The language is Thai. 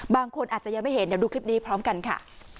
บางคนอาจจะยังไม่เห็นเดี๋ยวดูคลิปนี้พร้อมกันค่ะ